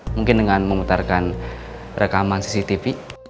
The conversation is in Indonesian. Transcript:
mungkin dengan memutarkan rekaman cctv